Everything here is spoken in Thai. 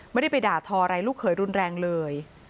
ไม่ได้ไปด่าทออะไรลูกเขยรุนแรงเลย